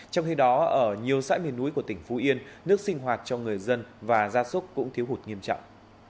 trong khi đó ở nhiều xã miền núi của tỉnh phú yên nước sinh hoạt cho người dân và gia súc cũng thiếu hụt nghiêm trọng